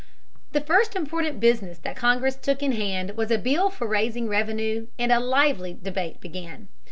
The first important business that Congress took in hand was a bill for raising revenue, and a lively debate began.